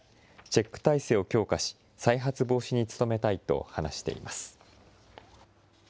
チェック体制を強化し、再発防止に努めたいと話しています。